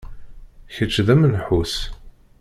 Kečč, d amenḥus.